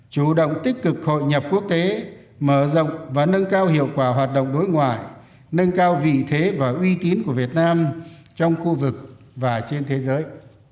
chủ động tích cực hội nhập quốc tế mở rộng và nâng cao hiệu quả hoạt động đối ngoại nâng cao vị thế và uy tín của việt nam trong khu vực và trên thế giới